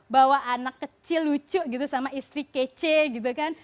bawa anak kecil lucu gitu sama istri kece gitu kan